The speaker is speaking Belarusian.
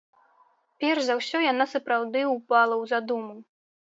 Перш за ўсё яна сапраўды ўпала ў задуму.